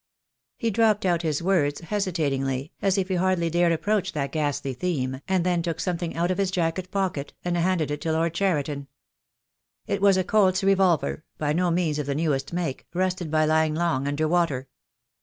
He dropped out his words hesitatingly, as if he hardly dared approach that ghastly theme, and then took some thing out of his jacket pocket, and handed it to Lord Cheriton. It was a Colt's revolver, by no means of the newest make, rusted by lying long under water.